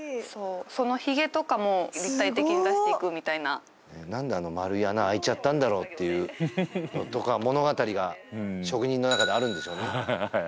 そのひげとかも立体的に出していくみたいなすご何であの丸い穴開いちゃったんだろうっていうのとか物語が職人の中であるんでしょうね